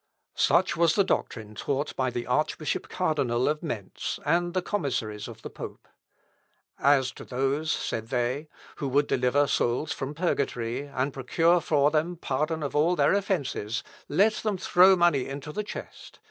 Such was the doctrine taught by the Archbishop Cardinal of Mentz, and the commissaries of the pope. "As to those," said they, "who would deliver souls from purgatory, and procure for them pardon of all their offences, let them throw money into the chest.